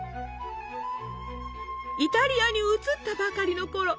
イタリアに移ったばかりのころ